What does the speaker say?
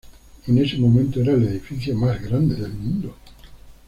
En ese momento era el edificio más grande del mundo.